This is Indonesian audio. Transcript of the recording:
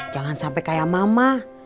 jangan sampai kayak mama